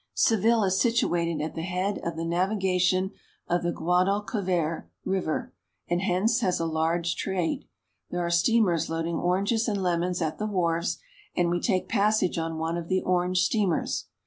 Seville is situated at the head of navigation of the Gua dalquivir (gwa dal kwi vir') River, and hence has a large trade. There are steamers loading oranges and lemons at the wharves, and we take passage on one of the orange steamers.